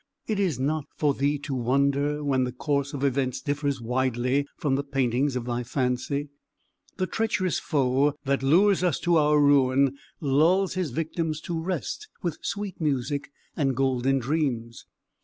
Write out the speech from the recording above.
it is not for thee to wonder when the course of events differs widely from the paintings of thy fancy. The treacherous foe, that lures us to our ruin, lulls his victim to rest with sweet music and golden dreams.